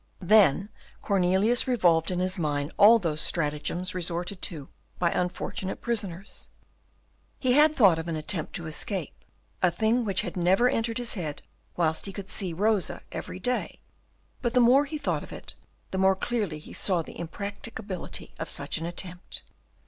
Then Cornelius revolved in his mind all those stratagems resorted to by unfortunate prisoners. He had thought of an attempt to escape, a thing which never entered his head whilst he could see Rosa every day; but the more he thought of it, the more clearly he saw the impracticability of such an attempt.